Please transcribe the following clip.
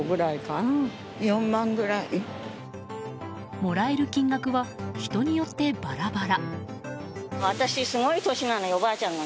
もらえる金額は人によってバラバラ。